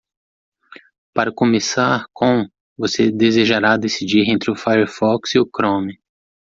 Para começar com?, você desejará decidir entre o Firefox e o Chrome.